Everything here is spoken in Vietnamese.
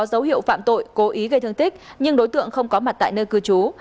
hành vi có dấu hiệu phạm tội cố ý gây thương tích nhưng đối tượng không có mặt tại nơi cư trú